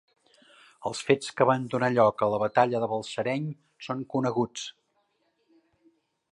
Els fets que van donar lloc a la batalla de Balsareny són coneguts.